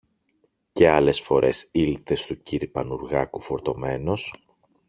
Και άλλες φορές ήλθε στου κυρ Πανουργάκου φορτωμένος